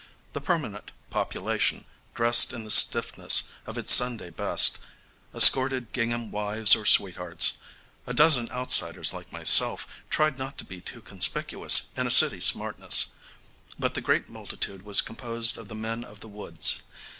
The permanent population, dressed in the stiffness of its Sunday best, escorted gingham wives or sweethearts; a dozen outsiders like myself tried not to be too conspicuous in a city smartness; but the great multitude was composed of the men of the woods.